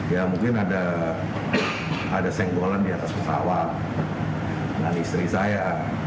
ya mungkin ada senggolan di atas pesawat dengan istri saya